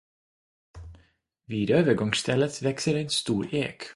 Vid övergångsstället växer en stor ek.